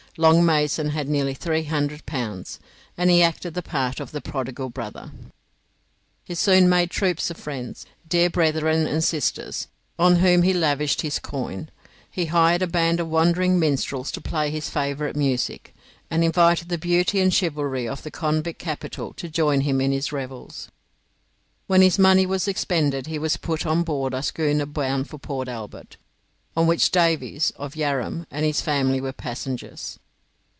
Long Mason had nearly 300 pounds, and he acted the part of the prodigal brother. He soon made troops of friends, dear brethren and sisters, on whom he lavished his coin; he hired a band of wandering minstrels to play his favourite music, and invited the beauty an chivalry of the convict capital to join him in his revels. When his money was expended he was put on board a schooner bound for Port Albert, on which Davis (of Yarram) and his family were passengers.